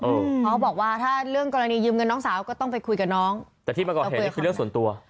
เขาบอกว่าถ้าเรื่องกรณียืมเงินน้องสาวก็ต้องไปคุยกับน้องแต่ที่มาก่อเหตุนี่คือเรื่องส่วนตัว